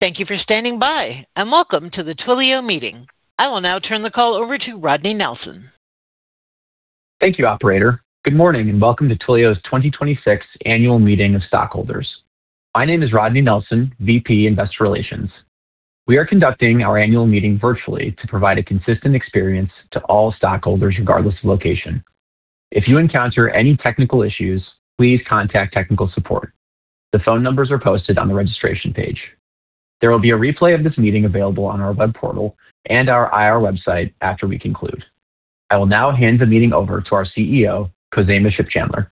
Thank you for standing by, and welcome to the Twilio meeting. I will now turn the call over to Rodney Nelson. Thank you, operator. Good morning, and welcome to Twilio's 2026 Annual Meeting of Stockholders. My name is Rodney Nelson, VP Investor Relations. We are conducting our annual meeting virtually to provide a consistent experience to all stockholders, regardless of location. If you encounter any technical issues, please contact technical support. The phone numbers are posted on the registration page. There will be a replay of this meeting available on our web portal and our IR website after we conclude. I will now hand the meeting over to our CEO, Khozema Shipchandler.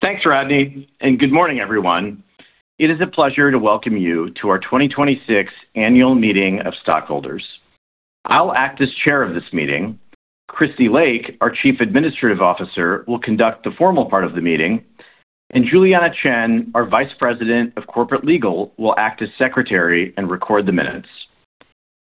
Thanks, Rodney, and good morning, everyone. It is a pleasure to welcome you to our 2026 Annual Meeting of Stockholders. I'll act as chair of this meeting. Christy Lake, our Chief Administrative Officer, will conduct the formal part of the meeting, and Juliana Chen, our Vice President of Corporate Legal, will act as secretary and record the minutes.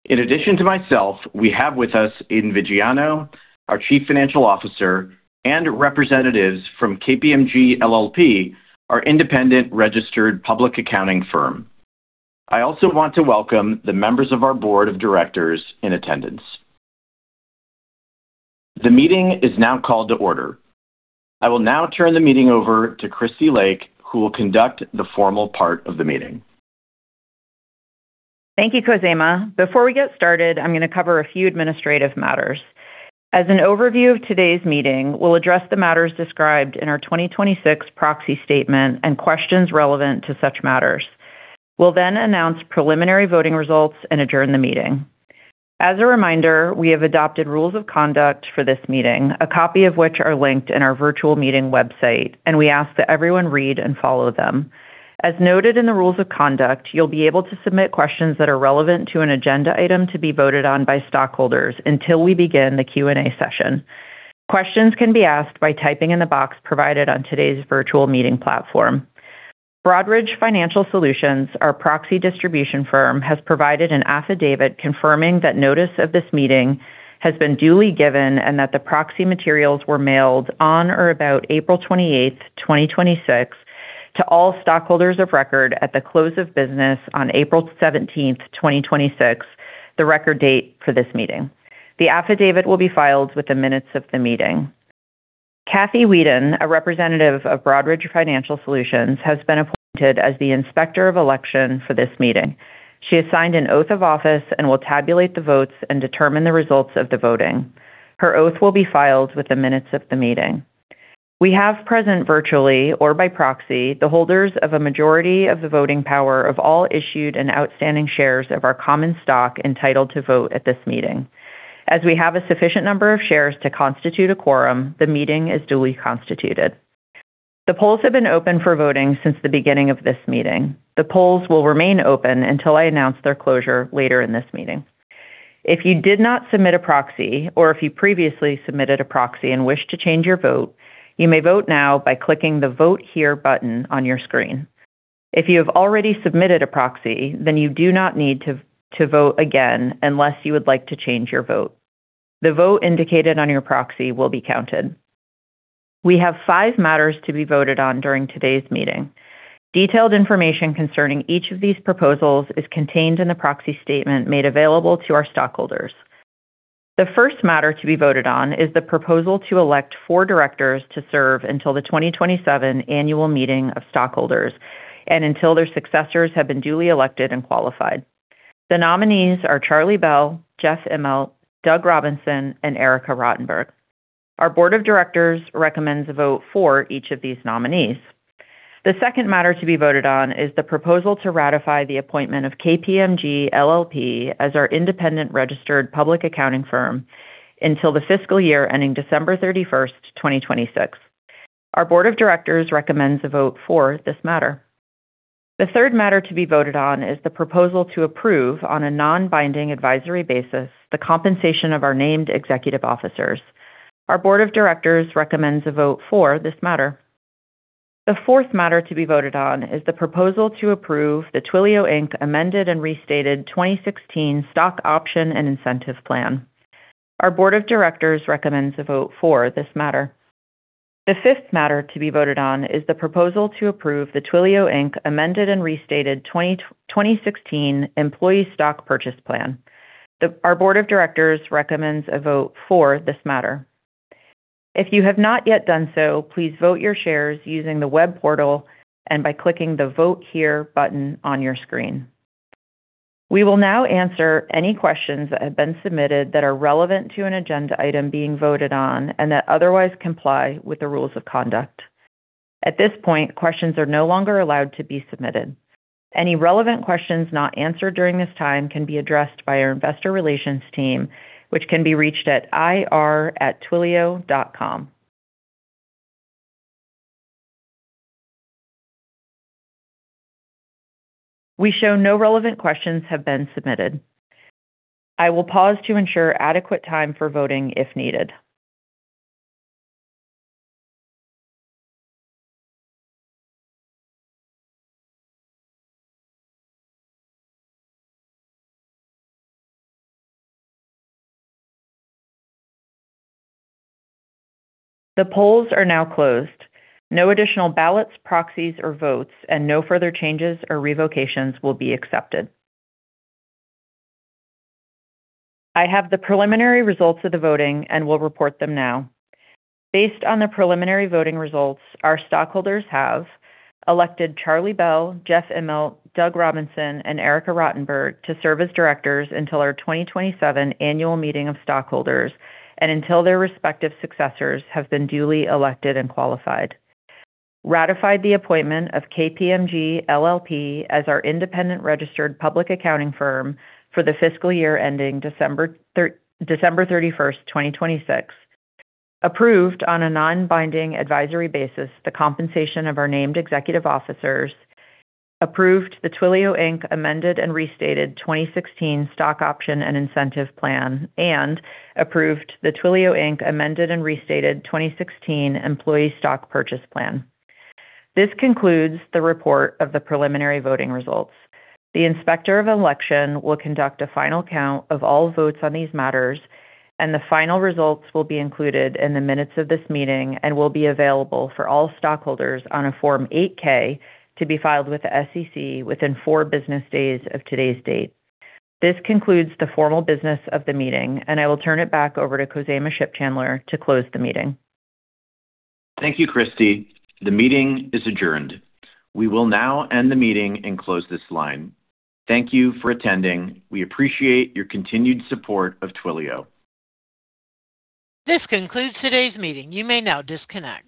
In addition to myself, we have with us Aidan Viggiano, our Chief Financial Officer, and representatives from KPMG LLP, our independent registered public accounting firm. I also want to welcome the members of our board of directors in attendance. The meeting is now called to order. I will now turn the meeting over to Christy Lake, who will conduct the formal part of the meeting. Thank you, Khozema. Before we get started, I'm going to cover a few administrative matters. As an overview of today's meeting, we'll address the matters described in our 2026 proxy statement and questions relevant to such matters. We'll then announce preliminary voting results and adjourn the meeting. As a reminder, we have adopted rules of conduct for this meeting, a copy of which are linked in our virtual meeting website, and we ask that everyone read and follow them. As noted in the rules of conduct, you'll be able to submit questions that are relevant to an agenda item to be voted on by stockholders until we begin the Q&A session. Questions can be asked by typing in the box provided on today's virtual meeting platform. Broadridge Financial Solutions, our proxy distribution firm, has provided an affidavit confirming that notice of this meeting has been duly given and that the proxy materials were mailed on or about April 28th, 2026 to all stockholders of record at the close of business on April 17th, 2026, the record date for this meeting. The affidavit will be filed with the minutes of the meeting. Kathy Weeden, a representative of Broadridge Financial Solutions, has been appointed as the Inspector of Election for this meeting. She has signed an oath of office and will tabulate the votes and determine the results of the voting. Her oath will be filed with the minutes of the meeting. We have present virtually or by proxy the holders of a majority of the voting power of all issued and outstanding shares of our common stock entitled to vote at this meeting. As we have a sufficient number of shares to constitute a quorum, the meeting is duly constituted. The polls have been open for voting since the beginning of this meeting. The polls will remain open until I announce their closure later in this meeting. If you did not submit a proxy or if you previously submitted a proxy and wish to change your vote, you may vote now by clicking the Vote Here button on your screen. If you have already submitted a proxy, you do not need to vote again unless you would like to change your vote. The vote indicated on your proxy will be counted. We have five matters to be voted on during today's meeting. Detailed information concerning each of these proposals is contained in the proxy statement made available to our stockholders. The first matter to be voted on is the proposal to elect four directors to serve until the 2027 Annual Meeting of Stockholders and until their successors have been duly elected and qualified. The nominees are Charlie Bell, Jeff Immelt, Doug Robinson, and Erika Rottenberg. Our board of directors recommends a vote for each of these nominees. The second matter to be voted on is the proposal to ratify the appointment of KPMG LLP as our independent registered public accounting firm until the fiscal year ending December 31st, 2026. Our board of directors recommends a vote for this matter. The third matter to be voted on is the proposal to approve, on a non-binding advisory basis, the compensation of our named executive officers. Our board of directors recommends a vote for this matter. The fourth matter to be voted on is the proposal to approve the Twilio Inc. amended and restated 2016 stock option and incentive plan. Our board of directors recommends a vote for this matter. The fifth matter to be voted on is the proposal to approve the Twilio Inc. amended and restated 2016 employee stock purchase plan. Our board of directors recommends a vote for this matter. If you have not yet done so, please vote your shares using the web portal and by clicking the Vote Here button on your screen. We will now answer any questions that have been submitted that are relevant to an agenda item being voted on and that otherwise comply with the rules of conduct. At this point, questions are no longer allowed to be submitted. Any relevant questions not answered during this time can be addressed by our investor relations team, which can be reached at ir@twilio.com. We show no relevant questions have been submitted. I will pause to ensure adequate time for voting if needed. The polls are now closed. No additional ballots, proxies, or votes, and no further changes or revocations will be accepted. I have the preliminary results of the voting and will report them now. Based on the preliminary voting results, our stockholders have elected Charlie Bell, Jeff Immelt, Doug Robinson, and Erika Rottenberg to serve as directors until our 2027 Annual Meeting of Stockholders and until their respective successors have been duly elected and qualified. Ratified the appointment of KPMG LLP as our independent registered public accounting firm for the fiscal year ending December 31st, 2026. Approved, on a non-binding advisory basis, the compensation of our named executive officers. Approved the Twilio Inc. amended and restated 2016 stock option and incentive plan, and approved the Twilio Inc. amended and restated 2016 employee stock purchase plan. This concludes the report of the preliminary voting results. The Inspector of Election will conduct a final count of all votes on these matters, and the final results will be included in the minutes of this meeting and will be available for all stockholders on a Form 8-K to be filed with the SEC within four business days of today's date. This concludes the formal business of the meeting, and I will turn it back over to Khozema Shipchandler to close the meeting. Thank you, Christy. The meeting is adjourned. We will now end the meeting and close this line. Thank you for attending. We appreciate your continued support of Twilio. This concludes today's meeting. You may now disconnect.